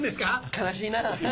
悲しいな。